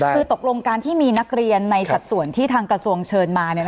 คือตกลงการที่มีนักเรียนในสัดส่วนที่ทางกระทรวงเชิญมา